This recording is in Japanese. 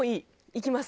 いきます。